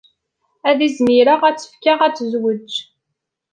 Ad izmireɣ ad tt-fkeɣ ad tezweǧ.